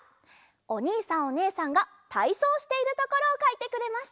おにいさんおねえさんがたいそうしているところをかいてくれました。